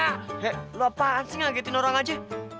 eh lu apaan sih ngagetin orang aja